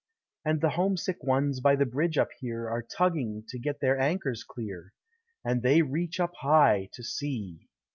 And the homesick ones by the bridge up here Are tugging to get their anchors clear, And they reach up high, to see.